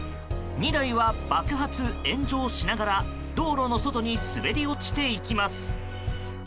２台は爆発・炎上しながら道路の外に滑り落ちていきます。